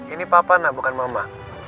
ini papa na bukan mama